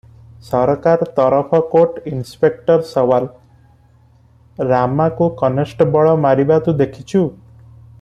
ସରକାର ତରଫ court inspector ସୱାଲ - ରାମାକୁ କନଷ୍ଟବଳ ମାରିବା ତୁ ଦେଖିଛୁ?